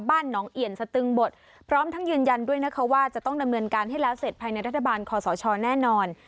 บ้านหนองเอี่ยนสตึงบทพร้อมทั้งยืนยันด้วยนะคะว่าจะต้องดำเนินการให้แล้วเสร็จภายในรัฐบาลคอสชแน่นอน